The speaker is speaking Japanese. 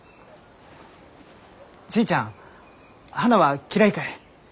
ちぃちゃん花は嫌いかえ？